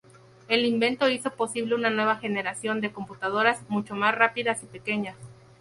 El invento hizo posible una nueva generación de computadoras mucho más rápidas y pequeñas.